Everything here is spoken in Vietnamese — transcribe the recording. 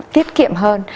tiết kiệm hơn